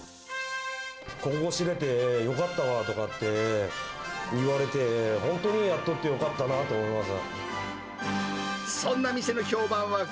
ここ知れてよかったわとかっていわれて、本当にやっとってよかったなと思います。